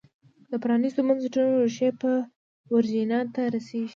د پرانیستو بنسټونو ریښې په ویرجینیا ته رسېږي.